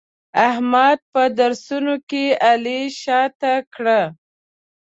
احمد په درسونو کې علي شاته کړ.